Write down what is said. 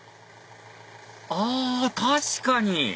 あ確かに！